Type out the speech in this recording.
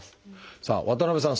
さあ渡辺さん